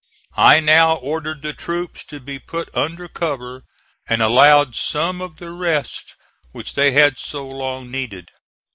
I now ordered the troops to be put under cover and allowed some of the rest which they had so long needed.